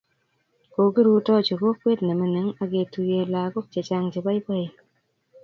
Kokirutochi kokwet ne mining' ak ketuye lagok chechang' che poipoen